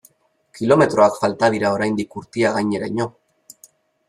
Kilometroak falta dira oraindik Urtiagaineraino.